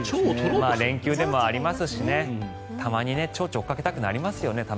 連休でもありますしたまにチョウチョウを追っかけたくなりますよね。